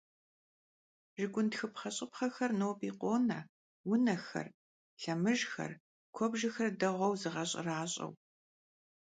Şşıgun txıpxheş'ıpxhexer nobi khone vunexer, lhemıjjxer, kuebjjexer değueu zığeş'eraş'eu.